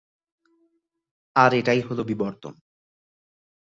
আর এটাই হলো বিবর্তন।